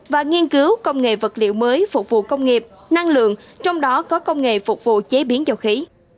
và nghiên cứu công nghệ vật liệu mới phục vụ công nghiệp năng lượng trong đó có công nghệ phục vụ chế biến dầu khí